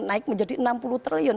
naik menjadi enam puluh triliun